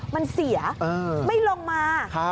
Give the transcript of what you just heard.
มันเสียไม่ลงมา